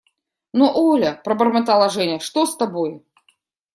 Но, Оля, – пробормотала Женя, – что с тобою?